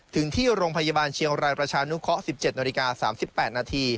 ถึงที่โรงพยาบาลเชียงรายประชานุเคราะห์๑๗นาฬิกา๓๘นาที